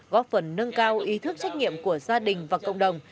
góp phần nâng cao ý thức trách nhiệm của gia đình và cộng đồng